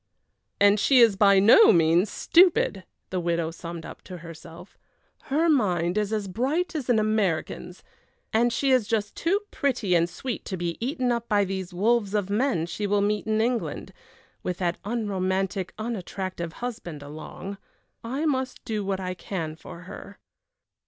"And she is by no means stupid," the widow summed up to herself. "Her mind is as bright as an American's! And she is just too pretty and sweet to be eaten up by these wolves of men she will meet in England, with that unromantic, unattractive husband along. I must do what I can for her."